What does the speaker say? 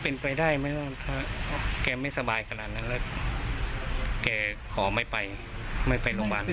เป็นไปไม่ได้แน่นอนครับ